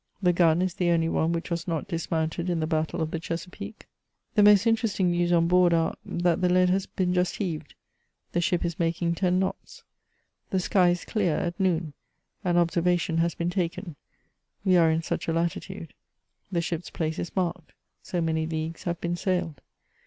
The gun is the only one which was not dismounted in the battle of the Chesapeake. The most interesting news on board are, that the lead ha» been just heaved ; the ship is making ten knots. I'he sky is clear at noon ; an observation has been taken ; we are in such a latitude. The ship's place is marked ; so many leagues have been sailed.